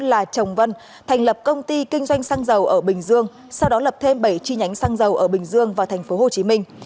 là chồng vân thành lập công ty kinh doanh xăng dầu ở bình dương sau đó lập thêm bảy chi nhánh xăng dầu ở bình dương và thành phố hồ chí minh